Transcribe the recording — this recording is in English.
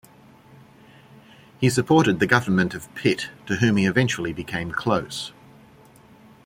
He supported the government of Pitt, to whom he eventually became close.